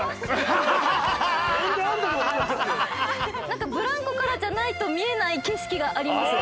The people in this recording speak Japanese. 何かブランコからじゃないと見えない景色があります。